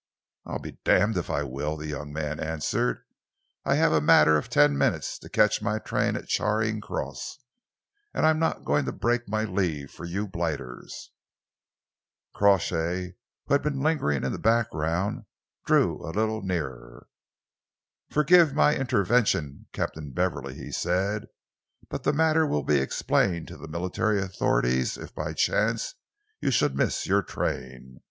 "I'm damned if I will!" the young man answered. "I have a matter of ten minutes to catch my train at Charing Cross, and I'm not going to break my leave for you blighters." Crawshay, who had been lingering in the background, drew a little nearer. "Forgive my intervention, Captain Beverley," he said, "but the matter will be explained to the military authorities if by chance you should miss your train.